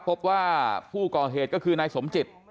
พบว่าผู้ก่อเหตุก็คือนายสมจิต